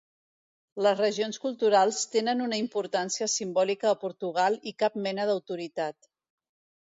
Les regions culturals tenen una importància simbòlica a Portugal i cap mena d'autoritat.